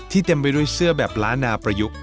เต็มไปด้วยเสื้อแบบล้านนาประยุกต์